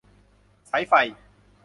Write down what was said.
สายไฟ